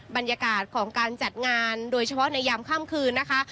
บรรยากาศของการจัดงานโดยเฉพาะในยามค่ำคืนนะคะ